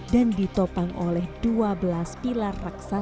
dan ditopang oleh dua belas pilar raksyat